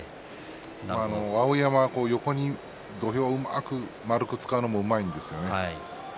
碧山が横に土俵をうまく円く使うのもうまいですよね。